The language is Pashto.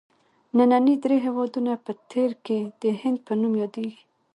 ننني درې هېوادونه په تېر کې د هند په نوم یادیدل.